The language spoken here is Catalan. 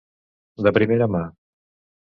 De primera mà.